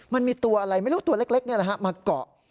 มันมีตัวอะไรไม่รู้ตัวเล็กมาเกาะ